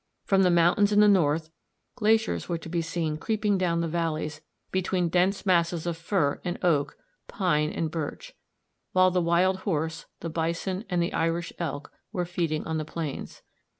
From the mountains in the north, glaciers were to be seen creeping down the valleys between dense masses of fir and oak, pine and birch; while the wild horse, the bison, and the Irish elk were feeding on the plains.